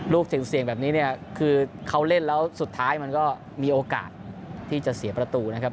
ถึงเสี่ยงแบบนี้เนี่ยคือเขาเล่นแล้วสุดท้ายมันก็มีโอกาสที่จะเสียประตูนะครับ